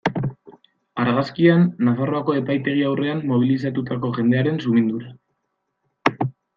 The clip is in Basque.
Argazkian, Nafarroako epaitegi aurrean mobilizatutako jendearen sumindura.